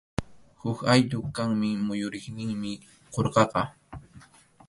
Huk ayllup kaqnin muyuriqninmi qurqaqa.